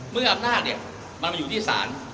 เมื่ออำนาจมันมาอยู่ที่ศาล